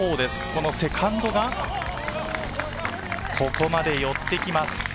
このセカンドが、ここまで寄ってきます。